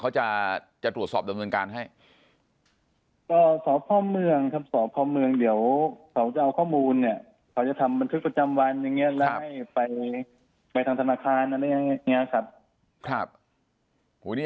แล้วให้ไปทางธนาคารอะไรอย่างนี้ครับ